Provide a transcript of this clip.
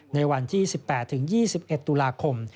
ในวันที่๑๘๒๑ตุลาคม